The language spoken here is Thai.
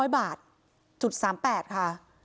๖๕๐๐บาท๓๘ค่ะ